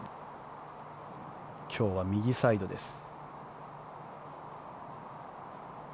今日は右サイドです。